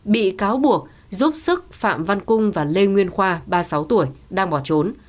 bị cáo buộc giúp sức phạm văn cung và lê nguyên khoa ba mươi sáu tuổi đang bỏ trốn